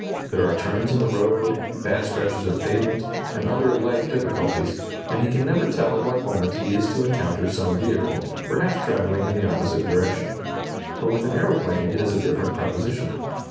There are turns in the road, bad stretches of pavement, and other like difficulties, and he can never tell at what moment he is to encounter some vehicle, perhaps travelling in the opposite direction. But with an aeroplane it is a different proposition.